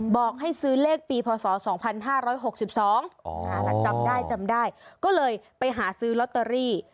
บอกให้ซื้อเลขปีพศ๒๕๖๒จำได้จำได้ก็เลยไปหาซื้อลอตเตอรี่